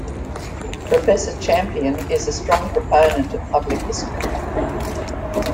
Professor Champion is a strong proponent of public history.